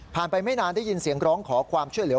ไปไม่นานได้ยินเสียงร้องขอความช่วยเหลือ